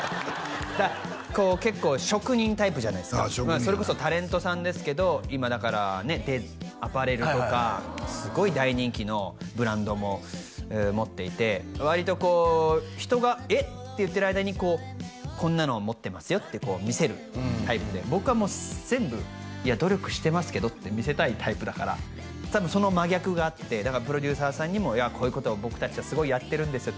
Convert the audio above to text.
こう結構職人タイプじゃないですかそれこそタレントさんですけど今だからアパレルとかすごい大人気のブランドも持っていてわりとこう人が「えっ」て言ってる間にこんなのを持ってますよって見せるタイプで僕はもう全部いや努力してますけどって見せたいタイプだから多分その真逆があってだからプロデューサーさんにもこういうことを僕達はすごいやってるんですよって